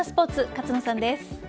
勝野さんです。